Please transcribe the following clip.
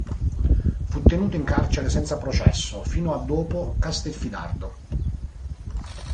Fu tenuto in carcere senza processo fino a dopo Castelfidardo.